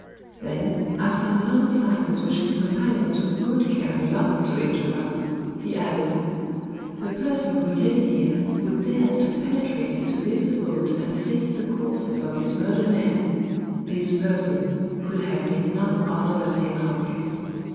Then, after a long silence which his companion took good care not to interrupt, he added: "The person who came here, who dared to penetrate into this abode and face the corpses of these murdered men this person could have been none other than the accomplice.